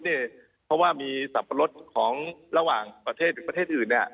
เพราะว่ามีสับปะรดของระหว่างประเทศหรือประเทศอื่น